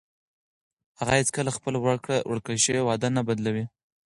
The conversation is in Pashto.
هغه هیڅکله خپله ورکړل شوې وعده نه بدلوي.